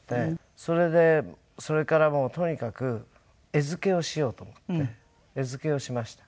それでそれからもうとにかく餌付けをしようと思って餌付けをしました。